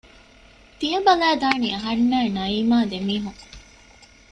ތިޔަ ބަލައި ދާނީ އަހަންނާއި ނަޢީމާ ދެ މީހުން